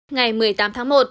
ngày một mươi tám tháng một